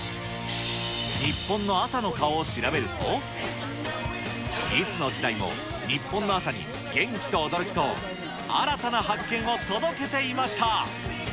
日本の朝の顔を調べると、いつの時代も日本の朝に元気と驚きと新たな発見を届けていました。